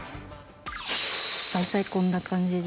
大体こんな感じで。